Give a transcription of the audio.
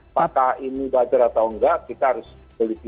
apakah ini wajar atau enggak kita harus berikik lebih lanjut